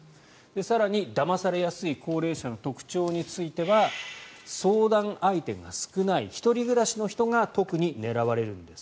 更に、だまされやすい高齢者の特徴については相談相手が少ない１人暮らしの人が特に狙われるんです。